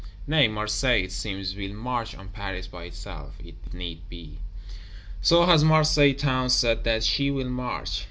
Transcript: Nay, Marseilles, it seems, will march on Paris by itself, if need be. So has Marseilles Town said that she will march.